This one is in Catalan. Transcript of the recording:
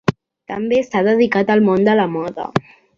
També s'ha dedicat al món de la moda.